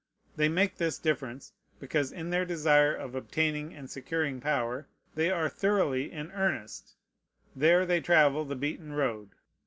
They make this difference, because in their desire of obtaining and securing power they are thoroughly in earnest; there they travel in the beaten road.